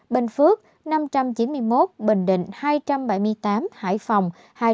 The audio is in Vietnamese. bình phước năm trăm chín mươi một bình định hai trăm bảy mươi tám hải phòng hai trăm sáu mươi sáu